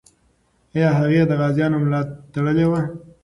آیا هغې د غازیانو ملا تړلې وه؟